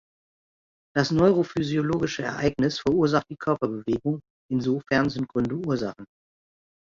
Das neurophysiologische Ereignis verursacht die Körperbewegung, insofern sind Gründe Ursachen.